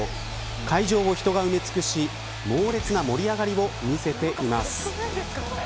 会場を人が埋め尽くし猛烈な盛り上がりを見せています。